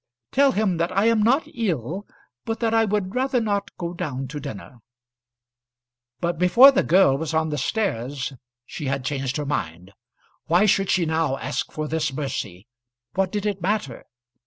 Tell him that I am not ill, but that I would rather not go down to dinner!" But before the girl was on the stairs she had changed her mind. Why should she now ask for this mercy? What did it matter?